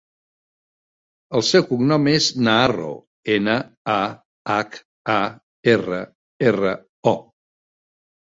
El seu cognom és Naharro: ena, a, hac, a, erra, erra, o.